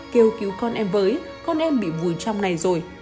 kêu cứu con em với con em bị mù trong này rồi